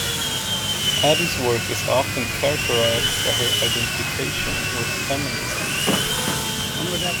Attie's work is often characterized by her identification with feminism.